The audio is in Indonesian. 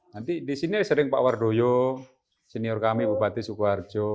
nanti disini sering pak wardoyo senior kami bupati sukoharjo